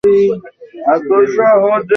কাঠ খোদাইকারকদের উদ্দেশ্যে।